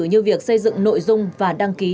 như việc xây dựng nội dung và đăng ký